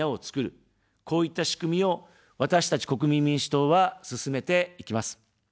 こういった仕組みを、私たち国民民主党は進めていきます。